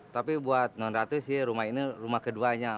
tapi buat non ratu sih rumah ini rumah keduanya